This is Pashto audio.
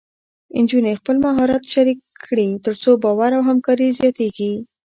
نجونې خپل مهارت شریک کړي، تر څو باور او همکاري زیاتېږي.